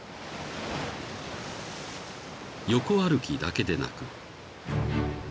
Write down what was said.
［横歩きだけでなく］